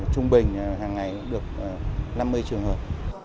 trung bình hàng ngày được năm mươi trường hợp